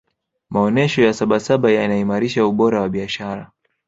maonesha ya sabasaba yanaimarisha ubora wa biashara